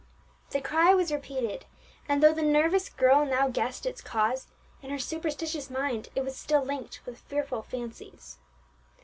The cry was repeated, and though the nervous girl now guessed its cause, in her superstitious mind it was still linked with fearful fancies.